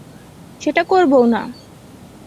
সেটা করবোও না।